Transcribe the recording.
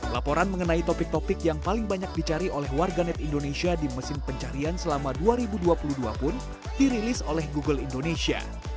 laporan mengenai topik topik yang paling banyak dicari oleh warganet indonesia di mesin pencarian selama dua ribu dua puluh dua pun dirilis oleh google indonesia